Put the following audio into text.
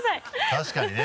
確かにね。